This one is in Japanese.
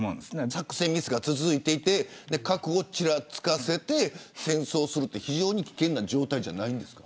作戦ミスが続き核をちらつかせて戦争するって非常に危険な状態なんじゃないですか。